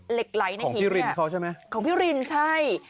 เหล็กไหลในหินพี่รินเขาใช่ไหมของพี่รินใช่